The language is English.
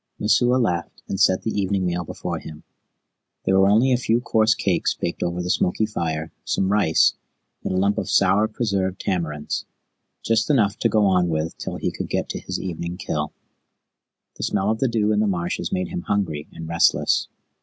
Messua laughed, and set the evening meal before him. There were only a few coarse cakes baked over the smoky fire, some rice, and a lump of sour preserved tamarinds just enough to go on with till he could get to his evening kill. The smell of the dew in the marshes made him hungry and restless.